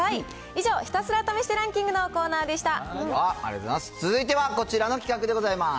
以上、ひたすら試してランキングのコーナーでした。